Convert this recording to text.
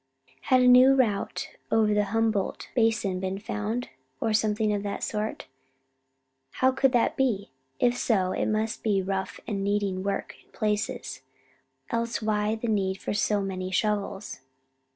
Had a new route over the Humboldt Basin been found, or something of that sort? How could that be? If so, it must be rough and needing work in places, else why the need for so many shovels?